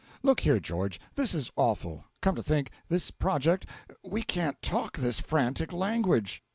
Look here, George, this is awful come to think this project: we can't talk this frantic language.